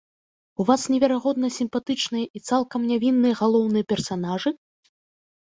У вас неверагодна сімпатычныя і цалкам нявінныя галоўныя персанажы?